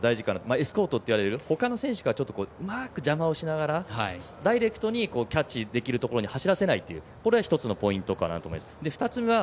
エスコートといわれる他の選手が、うまく邪魔しながらダイレクトにキャッチできるところに走らせないというのがポイントかなと思います。